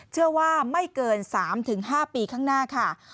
เชื่อว่าไม่เกิน๓๕ปีข้างหน้าค่ะ